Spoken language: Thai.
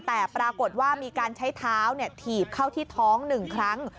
แต่ปรากฏว่ามีการใช้เท้าถีบเข้าที่ท้อง๑ครั้ง